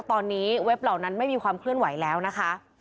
ตอนนี้เว็บเหล่านั้นไม่มีความเคลื่อนไหวแล้วนะคะ